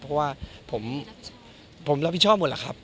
ผมรับผิดชอบหมดนะครับ